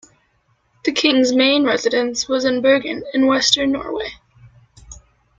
The king's main residence was in Bergen in Western Norway.